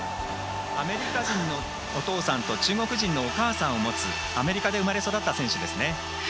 アメリカ人のお父さんと中国人のお母さんを持つアメリカで生まれ育った選手です。